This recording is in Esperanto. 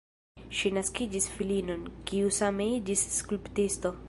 Ŝi naskis filinon, kiu same iĝis skulptisto.